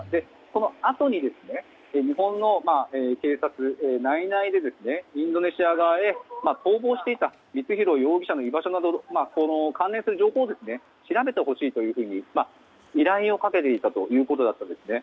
そのあとに日本の警察が内々でインドネシア側へ逃亡していた光弘容疑者の居場所など関連する情報を調べてほしいと依頼をかけていたということだったんですね。